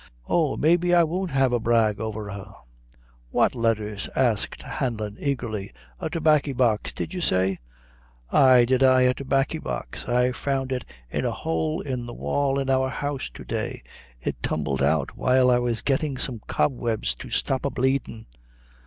Oh, may be I won't have a brag over her!" "What letthers?" asked Hanlon eagerly; "a tobaccy box, did you say?" "Ay did I a tobaccy box. I found it in a hole in the wall in our house to day; it tumbled out while I was gettin' some cobwebs to stop a bleedin'."